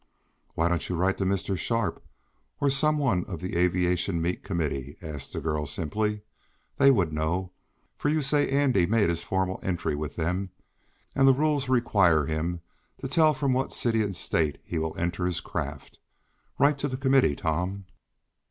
"Why don't you write to Mr. Sharp, or some one of the aviation meet committee?" asked the girl simply. "They would know, for you say Andy made his formal entry with them, and the rules require him to tell from what city and State he will enter his craft. Write to the committee, Tom."